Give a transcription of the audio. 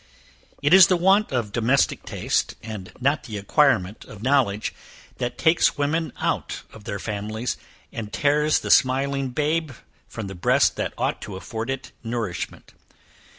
It is the want of domestic taste, and not the acquirement of knowledge, that takes women out of their families, and tears the smiling babe from the breast that ought to afford it nourishment.